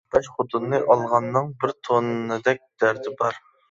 بەش خوتۇننى ئالغاننىڭ، بىر توننىدەك دەردى بار.